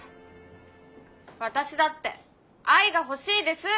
私だって愛が欲しいです！